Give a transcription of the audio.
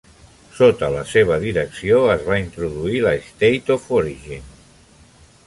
Sota la seva direcció es va introduir la State of Origin.